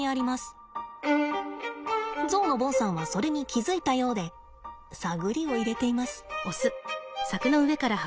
ゾウのボンさんはそれに気付いたようで探りを入れています。